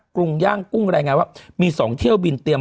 กรุงย่างกุ้งอะไรอย่างไรมี๒เที่ยวบินเตรียม